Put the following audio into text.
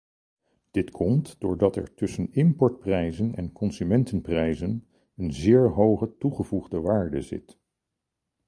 Dit komt doordat er tussen importprijzen en consumentenprijzen een zeer hoge toegevoegde waarde zit.